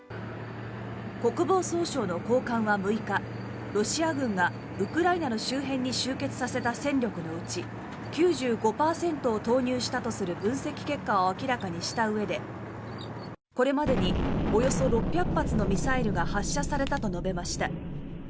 国防総省の高官は６日ロシア軍がウクライナの周辺に集結させた戦力のうち９５％を投入したとする分析結果を明らかにしたうえでこれまでにおよそ６００発のミサイルが発射されたと述べました。